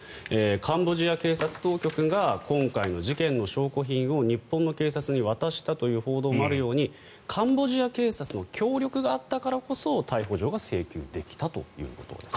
カンボジア警察当局が今回の事件の証拠品を日本の警察に渡したという報道もあるようにカンボジア警察の協力があったからこそ逮捕状が請求できたということですね。